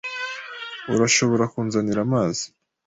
Urashobora kunzanira amazi